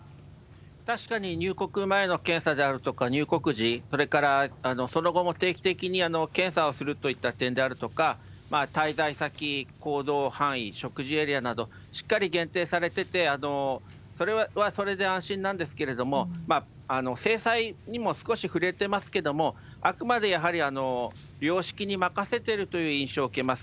確かに入国前の検査であるとか、入国時、それからその後も定期的に検査をするといった点であるとか、滞在先、行動範囲、食事エリアなどしっかり限定されてて、それはそれで安心なんですけれども、制裁にも少し触れてますけれども、あくまでやはり良識に任せてるという印象を受けます。